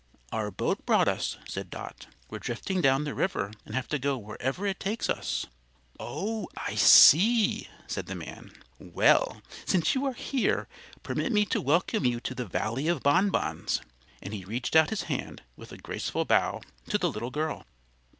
"Our boat brought us," said Dot. "We're drifting down the river and have to go wherever it takes us." "Oh, I see," said the man. "Well, since you are here, permit me to welcome you to the Valley of Bonbons," and he reached out his hand, with a graceful bow, to the little girl.